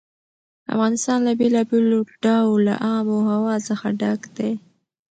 افغانستان له بېلابېلو ډوله آب وهوا څخه ډک دی.